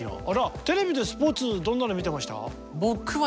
テレビでスポーツどんなの見てました？